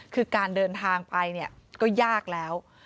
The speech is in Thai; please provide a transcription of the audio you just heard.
คือการเดินทางไปเนี่ยก็ยากแล้ว